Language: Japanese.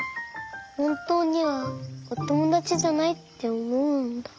ほんとうにはおともだちじゃないっておもうんだ。